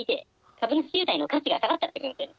株主優待の価値が下がっちゃってるんですよね。